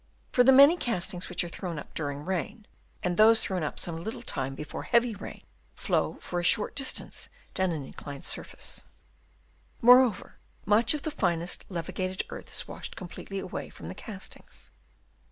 For the many castings which are thrown up during rain, and those thrown up some little time before heavy rain, flow for a short distance down an inclined surface. Moreover much of the finest levi gated earth is washed completely away from the castings.